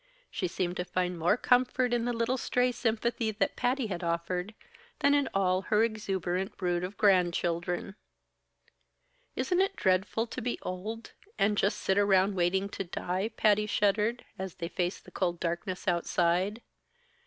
She seemed to find more comfort in the little stray sympathy that Patty had offered, than in all her exuberant brood of grandchildren. "Isn't it dreadful to be old, and just sit around waiting to die?" Patty shuddered, as they faced the cold darkness outside.